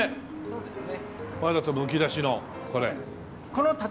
そうですね。